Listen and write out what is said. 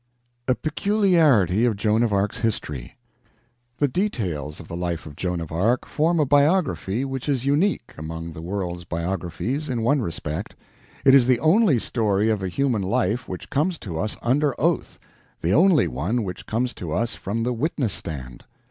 A PECULIARITY OF JOAN OF ARC'S HISTORY The details of the life of Joan of Arc form a biography which is unique among the world's biographies in one respect: It is the only story of a human life which comes to us under oath, the only one which comes to us from the witness stand.